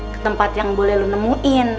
ke tempat yang boleh lo nemuin